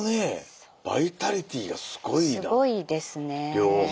両方。